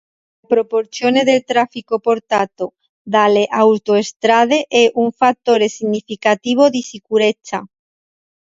La proporzione del traffico portato dalle autostrade è un fattore significativo di sicurezza.